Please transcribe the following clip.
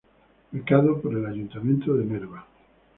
Becado por el Ayuntamiento de Nerva.